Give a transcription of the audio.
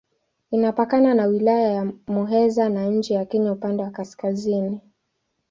Inapakana na Wilaya ya Muheza na nchi ya Kenya upande wa kaskazini.